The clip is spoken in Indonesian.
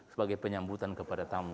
sebagai penyambutan kepada tamu